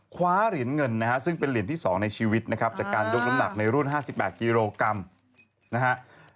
คว้าเหรียญเงินนะฮะซึ่งเป็นเหรียญที่๒ในชีวิตนะครับจากการยกน้ำหนักในรุ่น๕๘กิโลกรัมนะฮะ